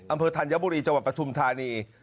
อำเภอธัญบุรีจประทุมธานี